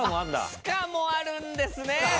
スカもあるんですね。